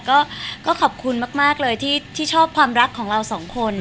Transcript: ก็ขอบคุณมากเลยที่ชอบความรักของเราสองคน